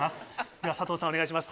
では佐藤さんお願いします